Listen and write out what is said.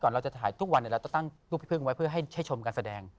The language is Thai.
ก่อนเราจะถ่ายทุกวันเนี้ยเราต้องตั้งรูปพี่พึ่งไว้เพื่อแช่ชมการแสดง